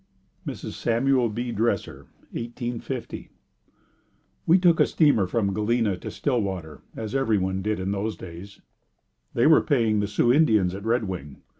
Mrs. Samuel B. Dresser 1850. We took a steamer from Galena to Stillwater, as everyone did in those days. They were paying the Sioux Indians at Red Wing.